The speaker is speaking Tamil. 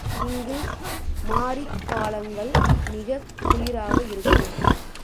இங்கு மாரிக் காலங்கள் மிகக் குளிராக இருக்கும்.